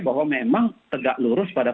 bahwa memang tegak lurus pada